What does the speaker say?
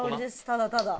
ただただ